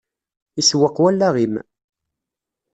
Isewweq wallaɣ-im.